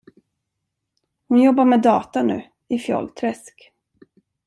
Hon jobbar med data nu, i Fjollträsk.